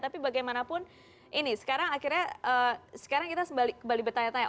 tapi bagaimanapun ini sekarang akhirnya sekarang kita kembali bertanya tanya